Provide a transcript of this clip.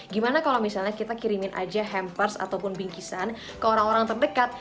gimana kalau misalnya kita kirimin aja hampers ataupun bingkisan ke orang orang terdekat